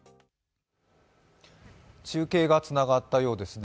中継がつながったようですね。